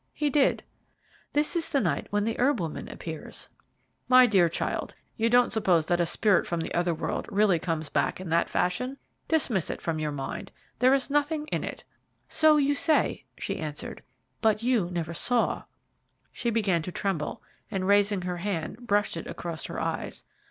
"He did." "This is the night when the herb woman appears." "My dear child, you don't suppose that a spirit from the other world really comes back in that fashion! Dismiss it from your mind there is nothing in it." "So you say," she answered, "but you never saw " She began to tremble, and raising her hand brushed it across her eyes.